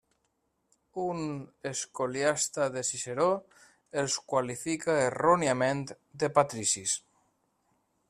Un escoliasta de Ciceró els qualifica erròniament de patricis.